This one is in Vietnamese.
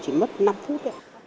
chỉ mất năm phút